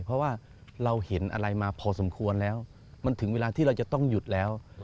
เพราะว่าเราเห็นอะไรมาพอสมควรแล้วมันถึงเวลาที่เราจะต้องหยุดแล้ว